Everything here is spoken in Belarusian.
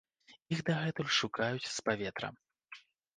Іх дагэтуль шукаюць з паветра.